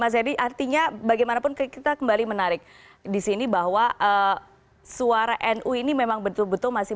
mas edi artinya bagaimanapun kita kembali menarik di sini bahwa suara nu ini memang betul betul masih